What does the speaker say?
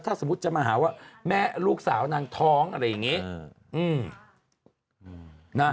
ถ้าสมมุติจะมาหาว่าแม่ลูกสาวนางท้องอะไรอย่างนี้